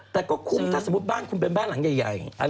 ถ้าสมมติบ้านคุณเป็นบ้านหลังใหญ่